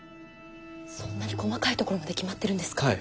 そんなに細かいところまで決まってるんですか。